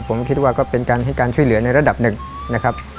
ผมคิดว่าก็เป็นการให้การช่วยเหลือในระดับหนึ่งนะครับ